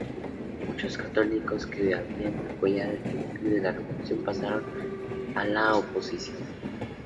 Muchos católicos que habían apoyado en principio la Revolución pasaron a la oposición.